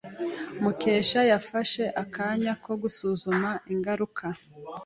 Mukesha yafashe akanya ko gusuzuma ingaruka.